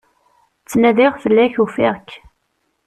Ttnadiɣ fell-ak, ufiɣ-k.